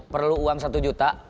perlu uang satu juta